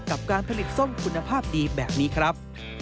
กับการผลิตส้มคุณภาพดีแบบนี้ครับ